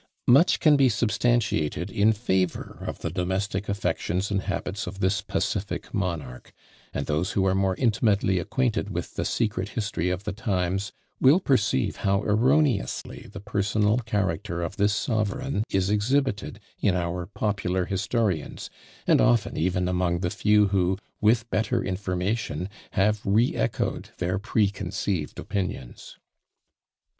Much can be substantiated in favour of the domestic affections and habits of this pacific monarch; and those who are more intimately acquainted with the secret history of the times will perceive how erroneously the personal character of this sovereign is exhibited in our popular historians, and often even among the few who, with better information, have re echoed their preconceived opinions.